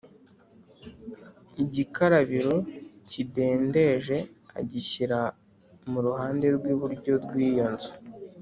Igikarabiro kidendeje agishyira mu ruhande rw’iburyo rw’iyo nzu